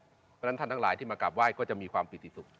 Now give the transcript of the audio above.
เพราะฉะนั้นท่านทั้งหลายที่มากราบไห้ก็จะมีความปิติสุข